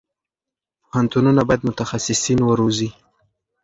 پوهنتونونه باید متخصصین وروزي.